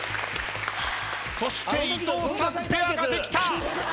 そして伊藤さんペアができた。